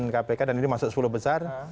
pimpinan kpk dan ini masuk sepuluh besar